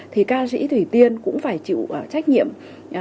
thì ca sĩ thủy tiên cũng phải chịu trách nhiệm hình sự ngược lại